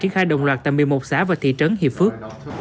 triết khai đồng loạt tầm một mươi một xã và thị trấn hiệp phước